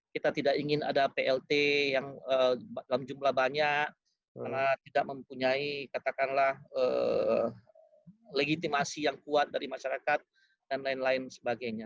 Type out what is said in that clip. kita tidak ingin ada plt yang dalam jumlah banyak karena tidak mempunyai katakanlah legitimasi yang kuat dari masyarakat dan lain lain sebagainya